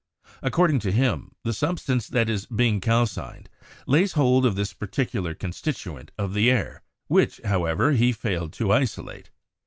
According to him, the substance that is being calcined lays hold of this particular constituent of the air, which, however, he failed to isolate.